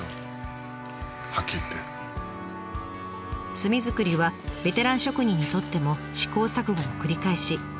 炭作りはベテラン職人にとっても試行錯誤の繰り返し。